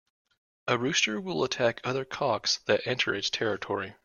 A rooster will attack other cocks that enter its territory.